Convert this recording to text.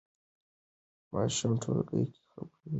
ماشوم ټولګي کې خبرې نه کوي.